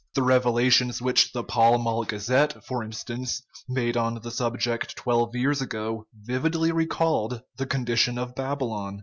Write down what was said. The revelations which the Pall Mall Gazette, for instance, made on the subject twelve years ago vividly recalled the condition of Babylon.